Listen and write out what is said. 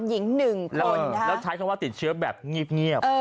หญิง๑คนแล้วใช้คำว่าติดเชื้อแบบเงียบ